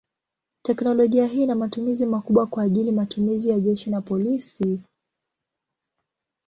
Teknolojia hii ina matumizi makubwa kwa ajili matumizi ya jeshi na polisi.